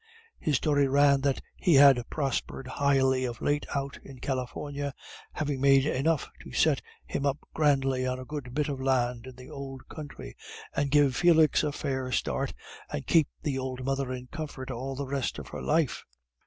His story ran that he had prospered highly of late out in California, having made enough to set him up grandly on a good bit of land in the old country, and give Felix a fair start, and keep the old mother in comfort all the rest of her life.